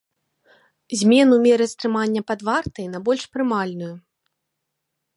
Змену меры стрымання пад вартай на больш прымальную.